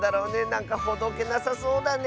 なんかほどけなさそうだね。